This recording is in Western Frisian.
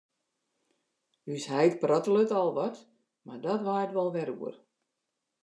Us heit prottelet al wat, mar dat waait wol wer oer.